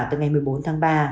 từ ngày một mươi bốn tháng ba